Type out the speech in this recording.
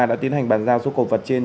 đã tiến hành bàn giao số cổ vật trên